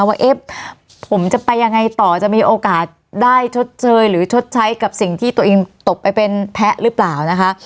ว่าเอ๊ะผมจะไปยังไงต่อจะมีโอกาสได้ชดเชยหรือชดใช้กับสิ่งที่ตัวเองตกไปเป็นแพ้หรือเปล่านะคะ